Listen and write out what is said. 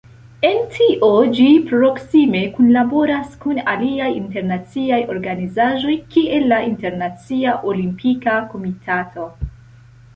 En tio ĝi proksime kunlaboras kun aliaj internaciaj organizaĵoj kiel la Internacia Olimpika Komitato.